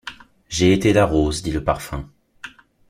J’ai été la rose, dit le parfum.